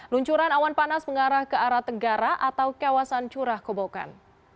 luncuran awan panas mengarah ke arah tenggara atau kawasan curah kobokan